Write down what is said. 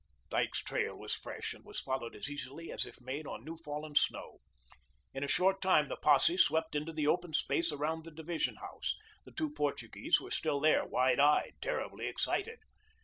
Dyke's trail was fresh, and was followed as easily as if made on new fallen snow. In a short time, the posse swept into the open space around the division house. The two Portuguese were still there, wide eyed, terribly excited.